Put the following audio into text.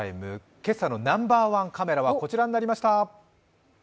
今朝のナンバーワンカメラはこちらになりました。